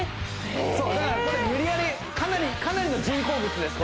そうだからこれ無理やりかなりの人工物です